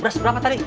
beras berapa tadi